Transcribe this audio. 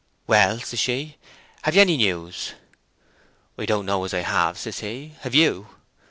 'Well,' says she, 'have ye got any news?' 'Don't know as I have,' says he; 'have you?